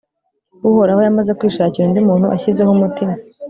uhoraho yamaze kwishakira undi muntu ashyizeho umutima